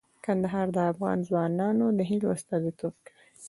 کندهار د افغان ځوانانو د هیلو استازیتوب کوي.